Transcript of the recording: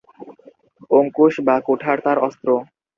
অঙ্কুশ বা কুঠার তার অস্ত্র।